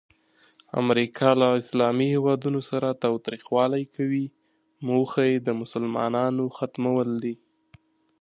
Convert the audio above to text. امریکا له اسلامي هیوادونو سره تاوتریخوالی کوي، موخه یې د مسلمانانو ختمول دي.